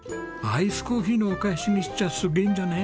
アイスコーヒーのお返しにしちゃすげえんじゃね？